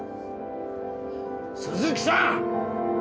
鈴木さん！